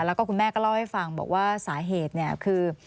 แล้วก็คุณแม่ก็เล่าให้ฟังบอกว่าสาเหตุเนี่ยคือ